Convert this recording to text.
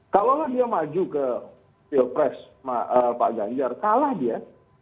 kalau dia maju ke pilpres pak ganjar kalah dia